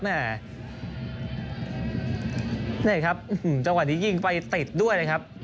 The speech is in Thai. นี่ครับจังหวะนี้ยิงไปติดด้วยนะครับ